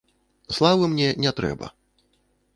Славы мне не трэба.